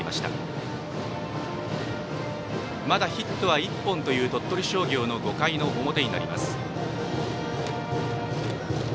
まだヒットは１本という鳥取商業の５回の表。